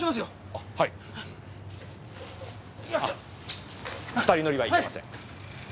あ２人乗りはいけません。